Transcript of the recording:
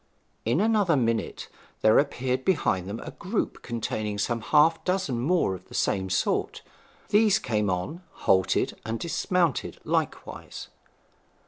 In another minute there appeared behind them a group containing some half dozen more of the same sort. These came on, halted, and dismounted likewise.